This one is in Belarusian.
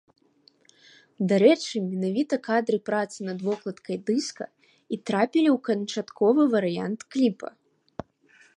Дарэчы, менавіта кадры працы над вокладкай дыска і трапілі ў канчатковы варыянт кліпа.